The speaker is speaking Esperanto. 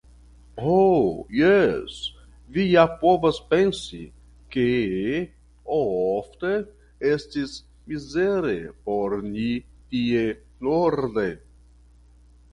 Ho jes, vi ja povas pensi, ke ofte estis mizere por ni tie norde.